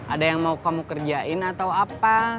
ada yang mau kamu kerjain atau apa